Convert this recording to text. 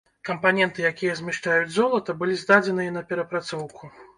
Кампаненты, якія змяшчаюць золата, былі здадзеныя на перапрацоўку.